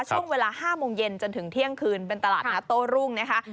ช่วงเวลา๕โมงเย็นจนถึงเที่ยงคืนเป็นตลาดนัดโต้รุ่งนะคะ